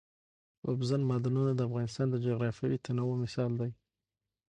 اوبزین معدنونه د افغانستان د جغرافیوي تنوع مثال دی.